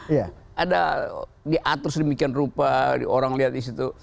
ada diatur sedemikian rupa orang lihat di situ